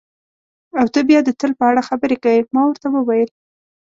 او ته بیا د تل په اړه خبرې کوې، ما ورته وویل.